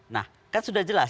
nah kan sudah jelas